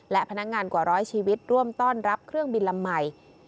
และพนักงานกว่าร้อยชีวิตร่วมต้อนรับเครื่องบินลำใหม่